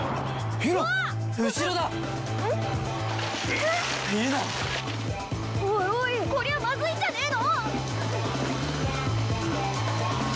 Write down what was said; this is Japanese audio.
おいおいこりゃまずいんじゃねえの？